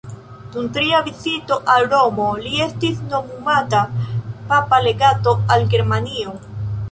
Dum tria vizito al Romo li estis nomumata papa legato al Germanio.